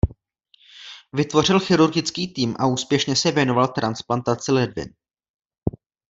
Vytvořil chirurgický tým a úspěšně se věnoval transplantaci ledvin.